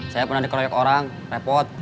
saya pernah dikeroyok orang repot